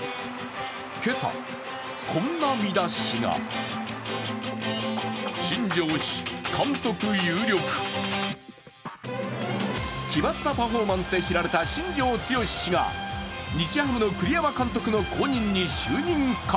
今朝、こんな見出しが奇抜なパフォーマンスで知られた新庄剛志氏が日ハムの栗山監督の後任に就任か？